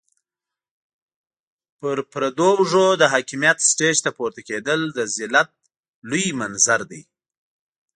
پر پردو اوږو د حاکميت سټېج ته پورته کېدل د ذلت لوی منظر دی.